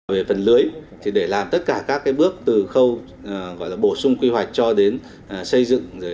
về phần lưới để làm tất cả các bước từ khâu bổ sung quy hoạch cho đến xây dựng